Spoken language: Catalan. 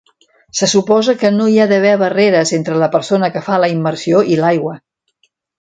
Se suposa que no hi ha d'haver barreres entre la persona que fa la immersió i l'aigua.